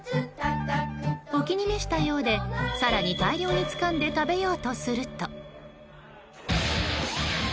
お気に召したようで更に大量につかんで食べようとすると。